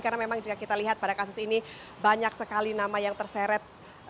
karena memang jika kita lihat pada kasus ini banyak sekali nama yang terseret